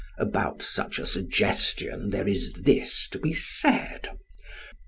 About such a suggestion there is this to be said.